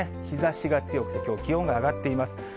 日ざしが強くて、きょう、気温が上がっています。